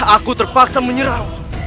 aku terpaksa menyerang